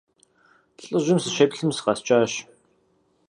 ЛӀыжьым сыщеплъым, сыкъэскӀащ.